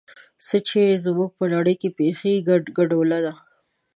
څه چې زموږ په نړۍ کې پېښېږي ګډوله ده.